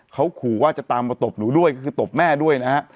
เขาขู่ว่าจะตามมาตบหนูด้วยก็คือตบแม่ด้วยนะฮะ